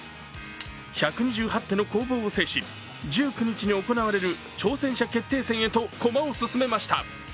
１２８手の攻防を制し、１９日に行われる挑戦者決定戦へと駒を進めました。